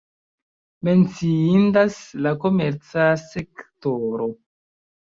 Menciindas la komerca sektoro.